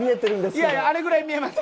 いやいやあれぐらい見えます。